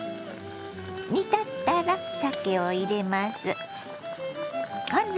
煮立ったらさけを入れます。